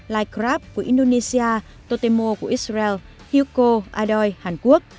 lightcraft của indonesia totemo của israel hugo adoi hàn quốc